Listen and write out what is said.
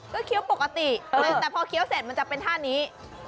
ก็เคี้ยวปกติแต่พอเคี้ยวเสร็จมันจะเป็นท่านี้